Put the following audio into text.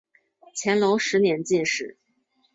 乾隆十年进士。